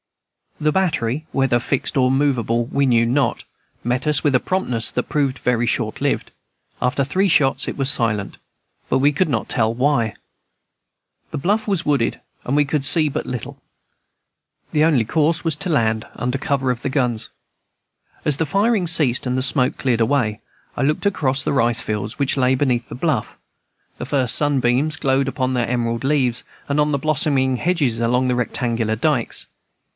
The battery whether fixed or movable we knew not met us with a promptness that proved very shortlived. After three shots it was silent, but we could not tell why. The bluff was wooded, and we could see but little. The only course was to land, under cover of the guns. As the firing ceased and the smoke cleared away, I looked across the rice fields which lay beneath the bluff. The first sunbeams glowed upon their emerald levels, and on the blossoming hedges along the rectangular dikes.